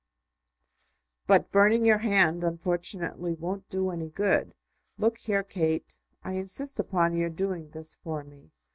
"But burning your hand, unfortunately, won't do any good. Look here, Kate; I insist upon your doing this for me.